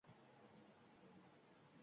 Fotoreportaj: Qorga burkangan Xiva